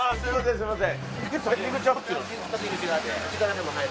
すみません。